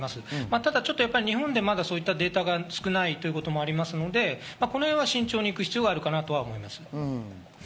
ただ日本でそういったデータが少ないということもありますので、これは慎重に行く必要があるかなと思います。